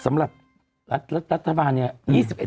สำหรับรัฐธรรมดีศวรรษนี้